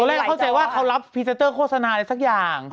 แรกเข้าใจว่าเขารับพรีเซนเตอร์โฆษณาอะไรสักอย่าง